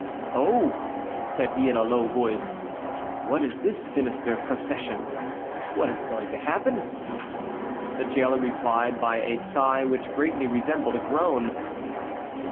"Oh!" said he in a low voice, "what is this sinister procession? What is going to happen?" The jailer replied by a sigh which greatly resembled a groan.